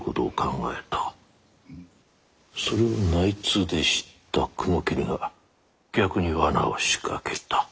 それを内通で知った雲霧が逆に罠を仕掛けた。